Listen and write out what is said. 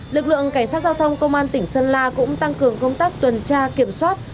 lực lượng cảnh sát giao thông công an tỉnh sơn la cũng tăng cường công tác tuần tra kiểm soát